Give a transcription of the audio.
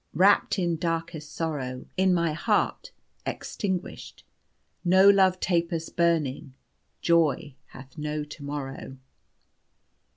"Wrapped in darkest sorrow In my heart, extinguished, No love tapers burning Joy hath no to morrow.